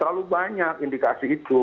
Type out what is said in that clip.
terlalu banyak indikasi itu